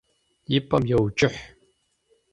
И пӏэм йоуджыхь.